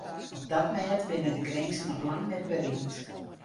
Op dat mêd binne de grinzen noch lang net berikt.